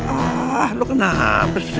ah lu kenapa sih